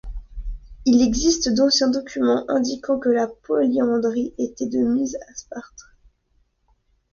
Il existe d'anciens documents indiquant que la polyandrie était de mise à Sparte.